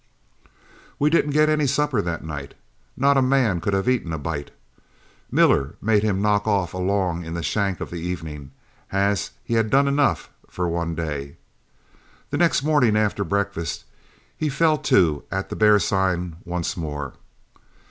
"We didn't get any supper that night. Not a man could have eaten a bite. Miller made him knock off along in the shank of the evening, as he had done enough for any one day. The next morning after breakfast he fell to at the bear sign once more.